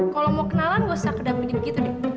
kalo mau kenalan gue usah kedapin gitu deh